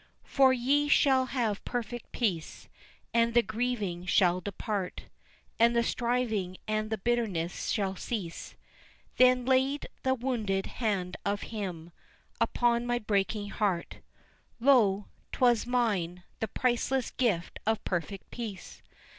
For ye shall have perfect peace, And the grieving shall depart, And the striving and the bitterness shall cease, Then laid the wounded hand of Him Upon my breaking heart, Lo, 'twas mine, the priceless gift of Perfect Peace.